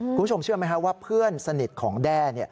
คุณผู้ชมเชื่อไหมครับว่าเพื่อนสนิทของแด้